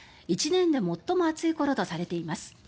１年で最も暑い頃とされています。